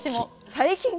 最近？